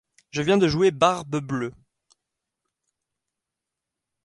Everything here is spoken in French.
Je viens de jouer _Barbe-Bleue_.